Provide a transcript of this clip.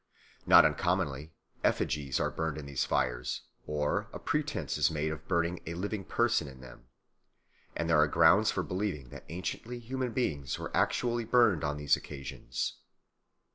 Not uncommonly effigies are burned in these fires, or a pretence is made of burning a living person in them; and there are grounds for believing that anciently human beings were actually burned on these occasions.